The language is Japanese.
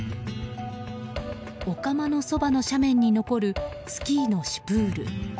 お釜のそばの斜面に残るスキーのシュプール。